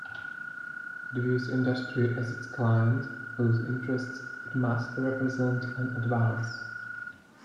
It views industry as its client, whose interests it must represent and advance.